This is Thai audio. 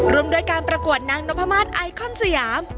ด้วยการประกวดนางนพมาศไอคอนสยาม